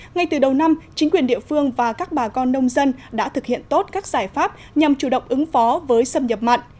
ngay từ đầu năm chính quyền địa phương và các bà con nông dân đã thực hiện tốt các giải pháp nhằm chủ động ứng phó với xâm nhập mặn